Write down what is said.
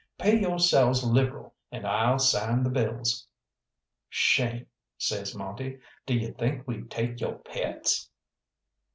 Pay yo'selves liberal, and I'll sign the bills." "Shame!" says Monte. "D'ye think we'd take yo' pets?"